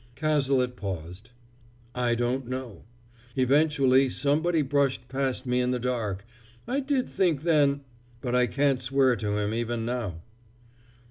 Cazalet paused. "I don't know. Eventually somebody brushed past me in the dark. I did think then but I can't swear to him even now!"